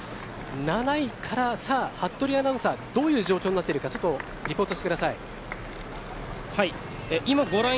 ７位から服部アナウンサーどういう状況になっているかリポートしてください。